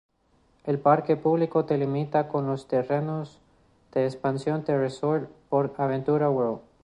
El parque público delimita con los terrenos de expansión del resort PortAventura World.